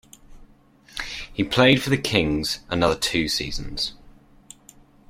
He played for the Kings another two seasons.